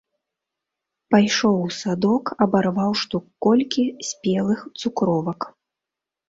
Пайшоў у садок, абарваў штук колькі спелых цукровак.